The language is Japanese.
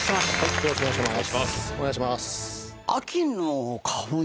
よろしくお願いします。